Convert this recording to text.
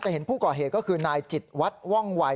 เห็นผู้ก่อเหตุก็คือนายจิตวัดว่องวัย